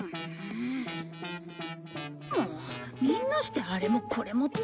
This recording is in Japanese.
もうみんなしてあれもこれもって。